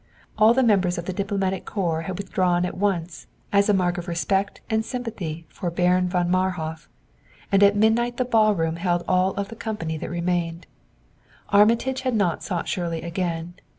All the members of the diplomatic corps had withdrawn at once as a mark of respect and sympathy for Baron von Marhof, and at midnight the ball room held all of the company that remained. Armitage had not sought Shirley again.